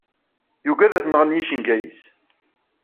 Yugad ad t-nɣen yicenga-is.